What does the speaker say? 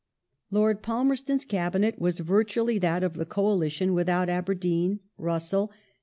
Lord Palmcrston's Cabinet was ^ viii:ually that of the Coalition without Aberdeen, Russell, and the * Morley, i.